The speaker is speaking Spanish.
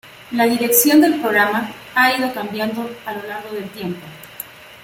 La dirección del programa ha ido cambiando a lo largo del tiempo.